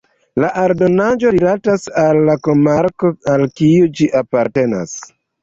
La aldonaĵo rilatas al la komarko al kiu ĝi apartenas.